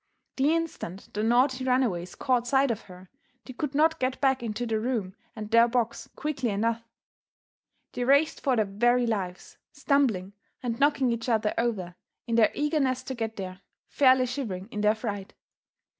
The instant the naughty runaways caught sight of her, they could not get back into the room and their box quickly enough; they raced for their very lives, stumbling and knocking each other over in their eagerness to get there, fairly shivering in their fright.